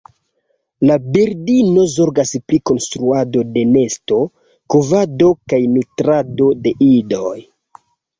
La birdino zorgas pri konstruado de nesto, kovado kaj nutrado de idoj.